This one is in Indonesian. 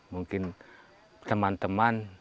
mungkin teman teman